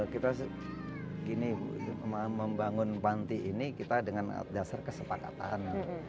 kita gini membangun panti ini kita dengan dasar kesepakatan